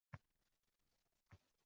Damingni old!